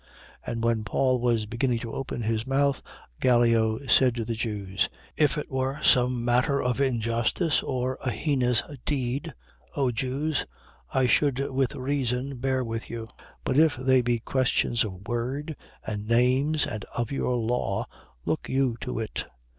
18:14. And when Paul was beginning to open his mouth, Gallio said to the Jews: If it were some matter of injustice or an heinous deed, O Jews, I should with reason bear with you. 18:15. But if they be questions of word and names and of your law, look you to it.